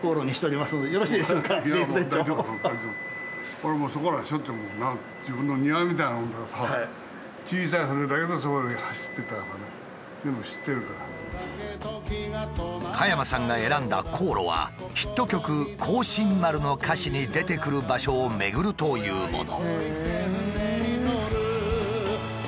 俺もそこらはしょっちゅう加山さんが選んだ航路はヒット曲「光進丸」の歌詞に出てくる場所を巡るというもの。